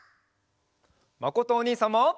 まことおにいさんも。